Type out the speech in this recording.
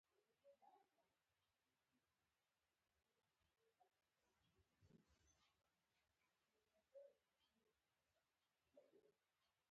دا راز د باور او خیال په یووالي کې دی.